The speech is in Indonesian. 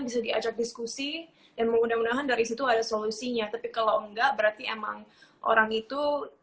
bisa diajak diskusi dan mudah mudahan dari situ ada solusinya tapi kalau enggak berarti emang orang itu